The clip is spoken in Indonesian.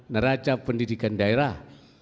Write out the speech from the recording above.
neraca pendidikan daerah